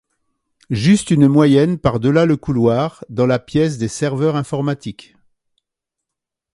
Juste une moyenne par-delà le couloir, dans la pièce des serveurs informatiques.